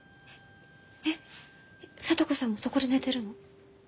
えっ聡子さんもそこで寝てるの？